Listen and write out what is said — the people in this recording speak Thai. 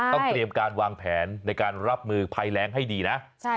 เตรียมการวางแผนในการรับมือภัยแรงให้ดีนะ